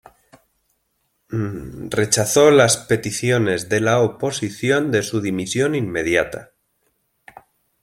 Rechazó las peticiones de la oposición de su dimisión inmediata.